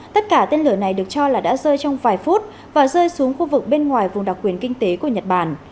tất cả tên lửa này được cho là đã rơi trong vài phút và rơi xuống khu vực bên ngoài vùng đặc quyền kinh tế của nhật bản